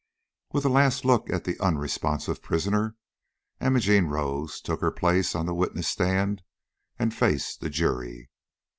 With a last look at the unresponsive prisoner, Imogene rose, took her place on the witness stand and faced the jury.